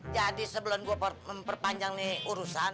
jadi sebelum gue memperpanjang nih urusan